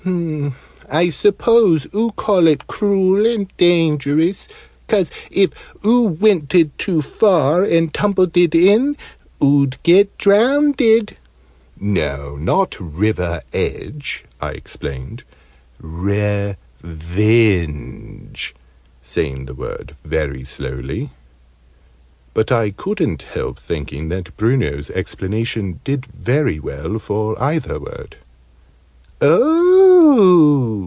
I suppose oo call it cruel and dangerous 'cause, if oo wented too far and tumbleded in, oo'd get drownded." "No, not river edge," I explained: "revenge" (saying the word very slowly). But I couldn't help thinking that Bruno's explanation did very well for either word. "Oh!"